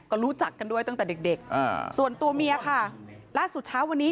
ก็รู้จักกันด้วยตั้งแต่เด็กเด็กอ่าส่วนตัวเมียค่ะล่าสุดเช้าวันนี้